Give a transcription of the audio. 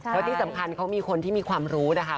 แล้วที่สำคัญเขามีคนที่มีความรู้นะคะ